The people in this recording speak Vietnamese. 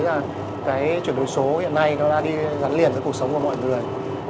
và chúng ta thực hiện các giao dịch các chuyển đổi số các chuyển đổi số của mọi người